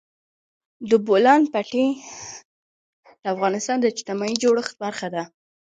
د بولان پټي د افغانستان د اجتماعي جوړښت برخه ده.